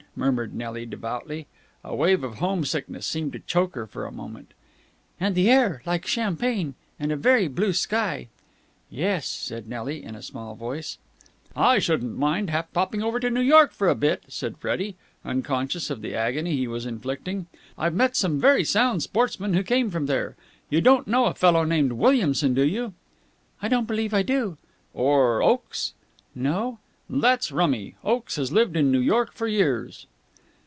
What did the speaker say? murmured Nelly devoutly. A wave of home sickness seemed to choke her for a moment. "And the air. Like champagne. And a very blue sky." "Yes," said Nelly in a small voice. "I shouldn't half mind popping over New York for a bit," said Freddie, unconscious of the agony he was inflicting. "I've met some very sound sportsmen who came from there. You don't know a fellow named Williamson, do you?" "I don't believe I do." "Or Oakes?" "No." "That's rummy! Oakes has lived in New York for years."